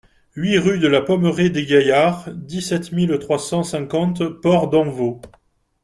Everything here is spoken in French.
huit rue de la Pommeraie des Gaillards, dix-sept mille trois cent cinquante Port-d'Envaux